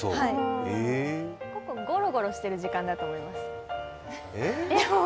結構、ごろごろしてる時間だと思います。